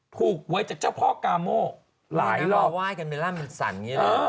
ผูกไว้จากเจ้าพ่อกาโม่หลายรอบว่ายกันไปแล้วมันสั่นอย่างนี้เลย